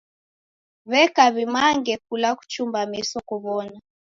W'eka w'imange kula kuchumba meso kuw'ona.